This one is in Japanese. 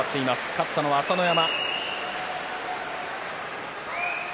勝ったのは朝乃山。